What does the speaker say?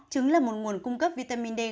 trứng là một nguồn cung cấp vitamin d